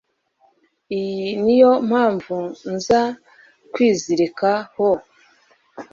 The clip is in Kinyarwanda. iyiniyo mpamvu nza kwizirika ho mn